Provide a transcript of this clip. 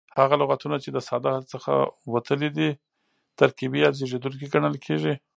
هغه لغتونه، چي د ساده څخه وتلي دي ترکیبي یا زېږېدونکي کڼل کیږي.